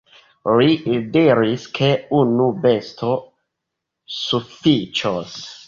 "Ri diris ke unu besto sufiĉos."